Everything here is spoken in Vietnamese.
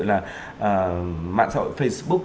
là mạng xã hội facebook